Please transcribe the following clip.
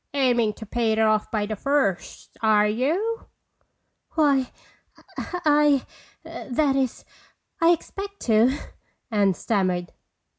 "Aiming to pay it off by the first, are you?" "Why,—I—that is, I expect to," Anne stammered.